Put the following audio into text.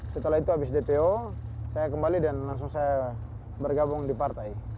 setelah itu habis dpo saya kembali dan langsung saya bergabung di partai